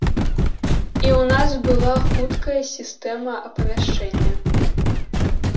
І ў нас была хуткая сістэма апавяшчэння.